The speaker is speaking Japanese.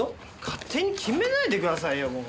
勝手に決めないでくださいよ。